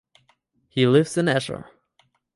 He lives in Esher.